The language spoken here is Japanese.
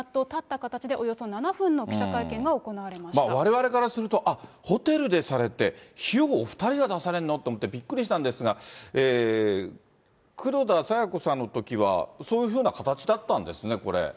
われわれからすると、あっ、ホテルでされて、費用をお２人が出されるの？ってびっくりしたんですが、黒田清子さんのときはそういうふうな形だったんですね、これ。